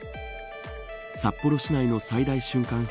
札幌市内の最大瞬間